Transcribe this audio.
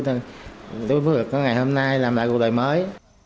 để tôi vượt qua ngày hôm nay làm lại cuộc đời mới